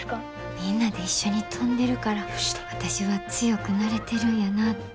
みんなで一緒に飛んでるから私は強くなれてるんやなって。